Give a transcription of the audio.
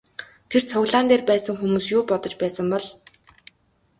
Тэр цуглаан дээр байсан хүмүүс юу бодож байсан бол?